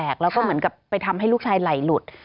แล้วก็เหมือนกับไปทำให้ลูกชายไหลหลุด